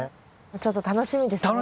ちょっと楽しみですね。